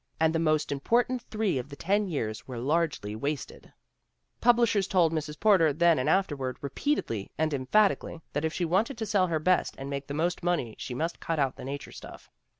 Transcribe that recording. And the most impor tant three of the ten years were largely wasted ! Publishers told Mrs. Porter then and afterward, repeatedly and emphatically, that if she wanted to sell her best and make the most money she must cut out the nature stuff.